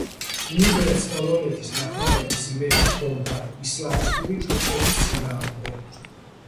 უნგრეთს პოლონეთის დახმარების იმედი ჰქონდა ისლამისტური თურქეთის წინააღმდეგ.